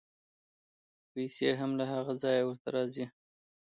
پیسې هم له هغه ځایه ورته راځي.